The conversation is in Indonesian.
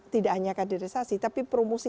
tidak hanya kaderisasi tapi promosi